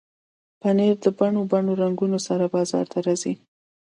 پنېر د بڼو بڼو رنګونو سره بازار ته راځي.